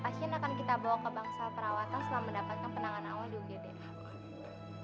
pasti akan kita bawa ke bank soal perawatan selama mendapatkan penanganan awal di ugt